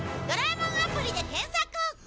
「ドラえもんアプリ」で検索！